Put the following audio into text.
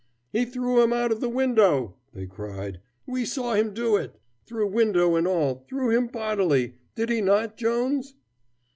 "He threw him out of the window," they cried. "We saw him do it! Through window and all, threw him bodily! Did he not, Jones?"